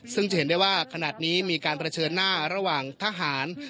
ซึ่งจะเห็นได้ว่าขนาดนี้มีการเผชิญหน้าระหว่างทหาร